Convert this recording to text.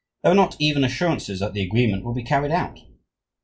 There are not even assurances that the agreement will be carried out.